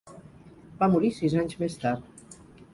Va morir sis anys més tard.